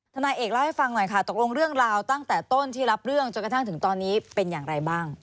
นายเอกเล่าให้ฟังหน่อยค่ะตกลงเรื่องราวตั้งแต่ต้นที่รับเรื่องจนกระทั่งถึงตอนนี้เป็นอย่างไรบ้าง